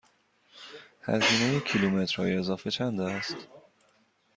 هزینه کیلومترهای اضافه چند است؟